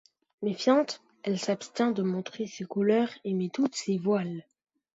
Méfiante, elle s'abstient de montrer ses couleurs et met toutes ses voiles.